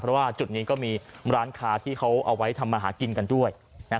เพราะว่าจุดนี้ก็มีร้านค้าที่เขาเอาไว้ทำมาหากินกันด้วย